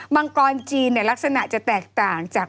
มังกรจีนลักษณะจะแตกต่างจาก